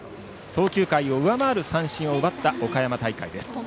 投球回を上回る三振を奪った岡山大会。